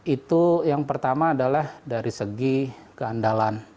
itu yang pertama adalah dari segi keandalan